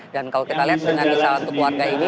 dan kalau kita lihat dengan misa untuk keluarga ini